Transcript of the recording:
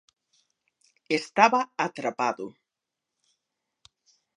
Estaba atrapado...